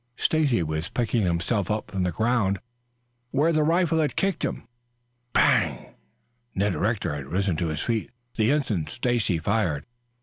Stacy was picking himself up from the ground where the rifle had kicked him. Bang! Ned Rector had risen to his feet the instant Stacy fired.